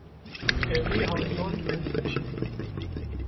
Every household went fishing.